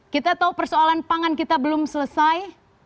kita tahu persoalan pangan kita belum selesai